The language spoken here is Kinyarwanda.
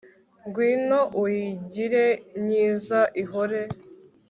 ngwino uyigire myiza ihore